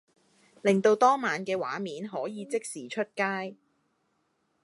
令到當晚嘅畫面可以即時出街